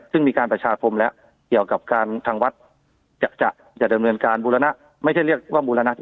ซึ่งมีการประชาคมแล้วเกี่ยวกับการทางวัดจะจะดำเนินการบูรณะไม่ใช่เรียกว่าบูรณะ